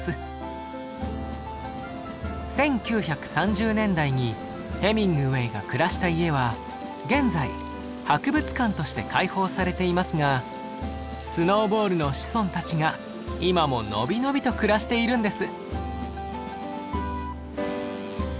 １９３０年代にヘミングウェイが暮らした家は現在博物館として開放されていますがスノーボールの子孫たちが今も伸び伸びと暮らしているんです。